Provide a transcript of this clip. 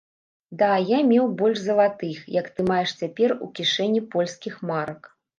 Да я меў больш залатых, як ты маеш цяпер у кішэні польскіх марак.